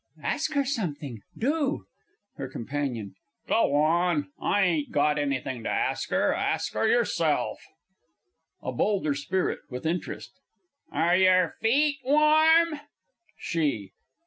Ask her something do. HER COMP. Go on! I ain't got anything to ask her ask her yourself! A BOLDER SPIRIT (with interest). Are your feet warm? SHE.